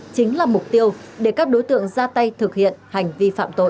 chính là mục tiêu để các đối tượng ra tay thực hiện hành vi phạm tội